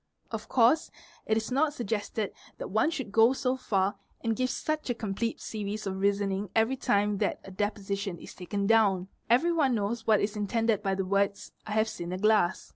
Of course it is not suggested that one should go so far and give such — a complete series of reasoning every time that a deposition is taken down; every one knows what is intended by the words "I have seen a glass."